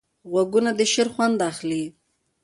غوږونه د شعر خوند اخلي